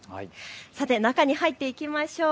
さて中に入っていきましょう。